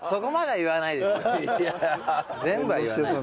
全部は言わないです。